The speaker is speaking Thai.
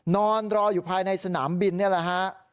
นอนรออยู่ภายในสนามบินนี่แหละฮะ